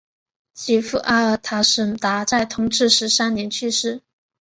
其父阿尔塔什达在同治十三年去世。